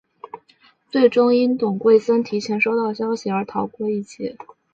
最终因董桂森提前收到消息而逃过一劫。